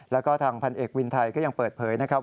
แล้วก็ทางพันเอกวินไทยก็ยังเปิดเผยนะครับ